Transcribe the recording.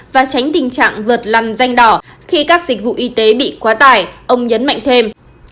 và tránh tình trạng vượt lòng danh đỏ khi các dịch vụ y tế bị quá tải ông nhấn mạnh thêm